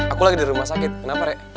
aku lagi di rumah sakit kenapa rek